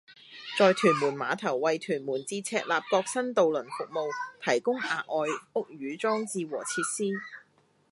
在屯門碼頭為屯門至赤鱲角新渡輪服務提供額外屋宇裝備和設施